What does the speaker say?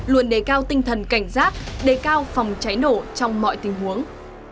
luôn đề cao tinh thần cảnh giác đề cao phòng cháy nổ trong mọi tình huống